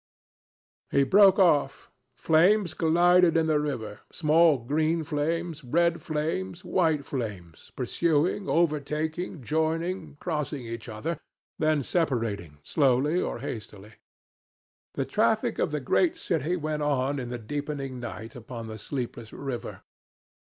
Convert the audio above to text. ..." He broke off. Flames glided in the river, small green flames, red flames, white flames, pursuing, overtaking, joining, crossing each other then separating slowly or hastily. The traffic of the great city went on in the deepening night upon the sleepless river.